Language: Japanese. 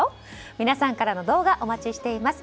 皆さんからの動画お待ちしています。